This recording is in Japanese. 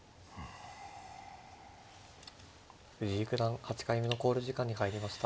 藤井九段８回目の考慮時間に入りました。